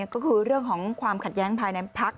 ก็คือเรื่องของความขัดแย้งภายในพัก